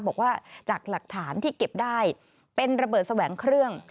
บอกว่าจากหลักฐานที่เก็บได้เป็นระเบิดแสวงเครื่อง